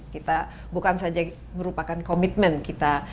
kita bukan saja merupakan komitmen kita ke dunia ini